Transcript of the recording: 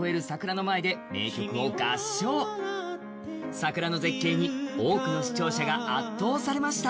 桜の絶景に多くの視聴者が圧倒されました。